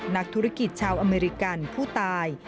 นักธุรกิจชาวอเมริกันผู้ตาย